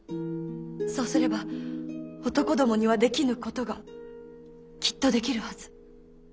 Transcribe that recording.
そうすれば男どもにはできぬことがきっとできるはず。